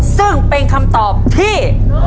ซึ่งเป็นคำตอบที่